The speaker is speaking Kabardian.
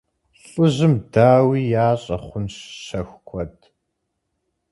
Лӏыжьым, дауи, ящӀэ хъунщ щэху куэд!